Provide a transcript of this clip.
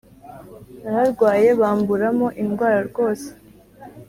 Nararwaye bamburamo indwara rwose